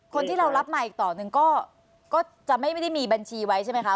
คนที่เรารับมาอีกต่อหนึ่งก็จะไม่ได้มีบัญชีไว้ใช่ไหมคะ